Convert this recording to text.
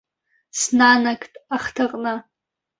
Снанагт ахҭаҟны.